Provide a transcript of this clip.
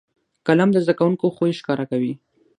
قلم د زده کوونکو خوی ښکاره کوي